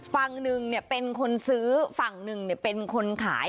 ฝั่งหนึ่งเป็นคนซื้อฝั่งหนึ่งเป็นคนขาย